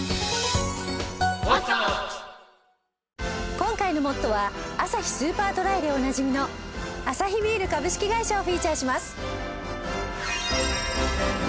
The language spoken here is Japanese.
今回の『ＭＯＴＴＯ！！』はアサヒスーパードライでおなじみのアサヒビール株式会社をフィーチャーします。